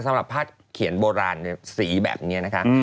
สำหรับผ้าเขียนโบราณสีแบบนี้นะคะ